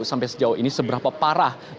sampai sejauh ini seberapa parah